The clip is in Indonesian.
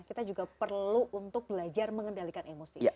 kita juga perlu untuk belajar mengendalikan emosi